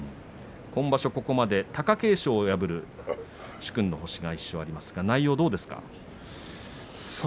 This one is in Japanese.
今場所は貴景勝を破る殊勲の星が１勝ありますが内容はどうですか？